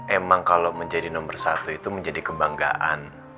emang kalau menjadi nomor satu itu menjadi kebanggaan